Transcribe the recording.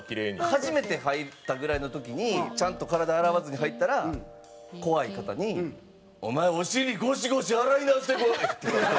初めて入ったぐらいの時にちゃんと体洗わずに入ったら怖い方に「お前お尻ゴシゴシ洗い直してこい！」って言われて。